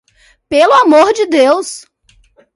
Pelo amor de Deus!